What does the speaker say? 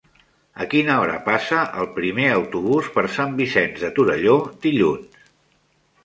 A quina hora passa el primer autobús per Sant Vicenç de Torelló dilluns?